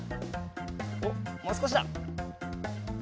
おっもうすこしだ。